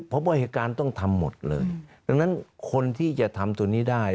เพราะว่าเหตุการณ์ต้องทำหมดเลยดังนั้นคนที่จะทำตัวนี้ได้